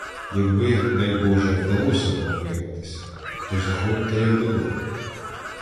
— Якби, дай Боже, вдалося вам вирватися, то заходьте як додому.